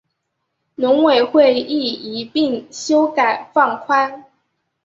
农委会亦一并修法放宽